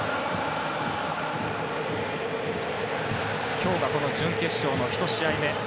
今日が準決勝の１試合目。